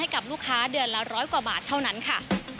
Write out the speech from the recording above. กับลูกค้าเดือนละร้อยกว่าบาทเท่านั้นค่ะ